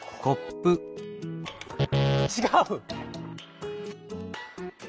「ちがう！」。